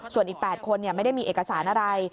ส่วนอีก๘คนไม่ได้มีเอกสารอะไร